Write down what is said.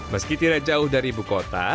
meski tidak jauh dari ibu kota